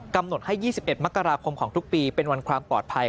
กำหนดให้๒๑มกราคมของทุกปีเป็นวันความปลอดภัย